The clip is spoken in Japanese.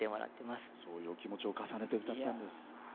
そういうお気持ちを重ねて歌ったんです。